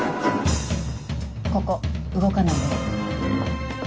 ここ動かないでね。